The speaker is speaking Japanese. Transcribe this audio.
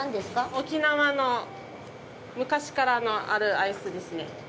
沖縄の昔からあるアイスですね。